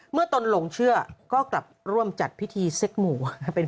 เมื่อตนหลงเชื่อก็ร่วมจัดพิธีเซ็กหมู่